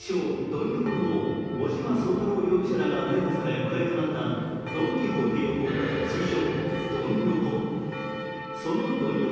・ドン横の王、尾島壮太郎容疑者らが逮捕され話題となったドン・キホーテ横、通称、ドン横。